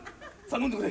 飲んでくれ。